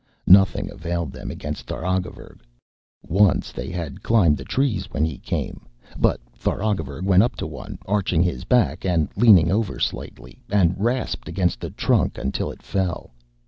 Nothing availed them against Tharagavverug. Once they climbed the trees when he came, but Tharagavverug went up to one, arching his back and leaning over slightly, and rasped against the trunk until it fell.